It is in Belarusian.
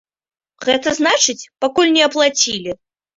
Гэта значыць, пакуль не аплацілі.